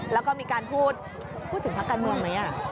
แล้วก็มีการพูดถึงพักการเมืองไหม